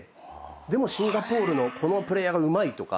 でもシンガポールのこのプレーヤーがうまいとか。